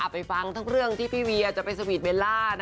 ไปฟังทั้งเรื่องที่พี่เวียจะไปสวีทเบลล่า